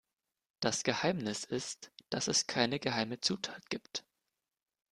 Das Geheimnis ist, dass es keine geheime Zutat gibt.